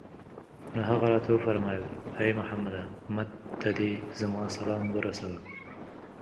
نو هغه راته وفرمايل: اې محمد! أمت ته دي زما سلام ورسوه